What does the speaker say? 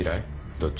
どっち？